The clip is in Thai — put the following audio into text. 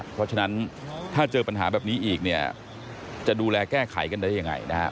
เพราะฉะนั้นถ้าเจอปัญหาแบบนี้อีกจะดูแลแก้ไขกันได้อย่างไร